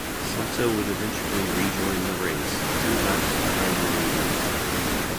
Sato would eventually rejoin the race, two laps behind the leaders.